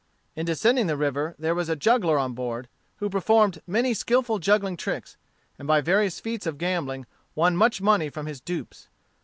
In descending the river there was a juggler on board, who performed many skilful juggling tricks, and by various feats of gambling won much money from his dupes.